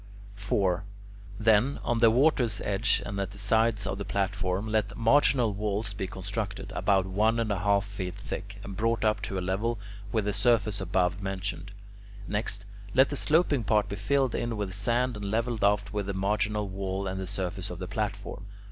4. Then, on the water's edge and at the sides of the platform, let marginal walls be constructed, about one and one half feet thick and brought up to a level with the surface above mentioned; next, let the sloping part be filled in with sand and levelled off with the marginal wall and the surface of the platform.